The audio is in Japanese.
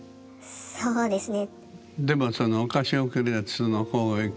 そうですね。